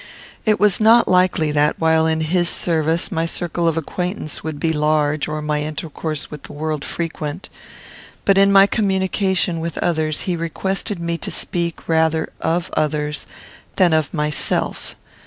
It was not likely that, while in his service, my circle of acquaintance would be large or my intercourse with the world frequent; but in my communication with others he requested me to speak rather of others than of myself.